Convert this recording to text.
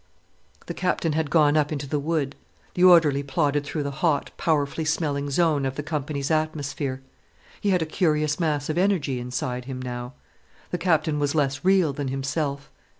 The captain had gone up into the wood. The orderly plodded through the hot, powerfully smelling zone of the company's atmosphere. He had a curious mass of energy inside him now. The Captain was less real than himself.